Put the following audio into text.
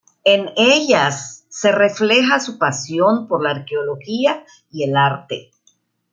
En ellas se refleja su pasión por la arqueología y el arte.